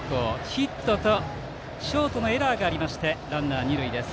ヒットとショートのエラーがあってランナー、二塁です。